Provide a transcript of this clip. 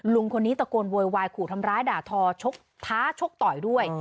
ลุงคนนี้ตะโกนโวยวายขู่ทำร้ายด่าทอท้าชกต่อยด้วย